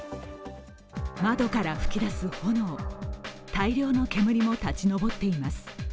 窓から噴き出す炎、大量の煙も立ち上っています。